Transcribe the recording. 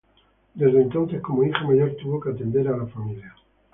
Desde entonces como hija mayor tuvo que atender a la familia.